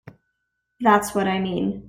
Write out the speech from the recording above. That's what I mean.